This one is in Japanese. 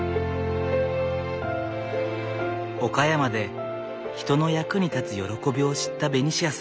岡山で人の役に立つ喜びを知ったベニシアさん。